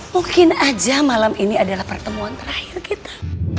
mungkin aja malam ini adalah pertemuan terakhir kita